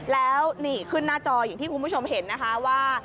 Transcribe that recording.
แล้วนี่ขึ้นหน้าจออย่างที่คุณผู้ชมเห็นนะคะว่า